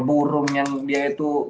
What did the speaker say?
burung yang dia itu